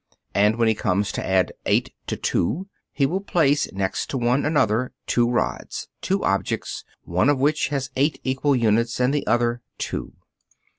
And when he comes to add 8 to 2, he will place next to one another, two rods, two objects, one of which has eight equal lengths and the other two.